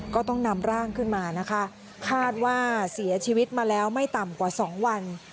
ก็ต้องนำร่างขึ้นมานะคะคาดว่าเสียชีวิตมาแล้วไม่ต่ำกว่า๒วัน